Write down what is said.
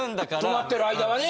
泊まってる間はね。